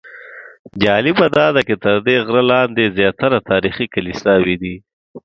جالبه داده چې تر دې غره لاندې زیاتره تاریخي کلیساوې دي.